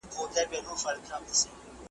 د ښوونکي څیره باید ورین تندی ولري.